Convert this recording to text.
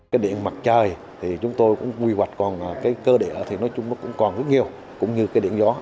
cái điện mặt trời thì chúng tôi cũng quy hoạch còn cái cơ địa thì nói chung nó cũng còn rất nhiều cũng như cái điện gió